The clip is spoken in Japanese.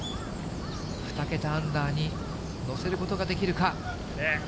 ２桁アンダーに乗せることができるか。